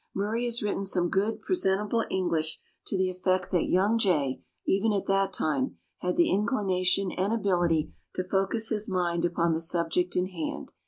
Murray has written some good, presentable English to the effect that young Jay, even at that time, had the inclination and ability to focus his mind upon the subject in hand.